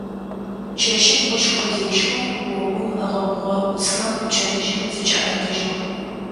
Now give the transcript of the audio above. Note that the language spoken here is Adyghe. Чэщым ощх къызещхым, огъум ыгъэгъугъэ уцхэм пчэдыжьым зыкъаӏэтыжьыгъ.